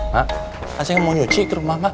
mak asal yang mau nyuci ke rumah mak